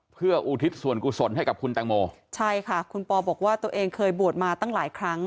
เพื่ออุทิศส่วนกุศลให้กับคุณแตงโมใช่ค่ะคุณปอบอกว่าตัวเองเคยบวชมาตั้งหลายครั้ง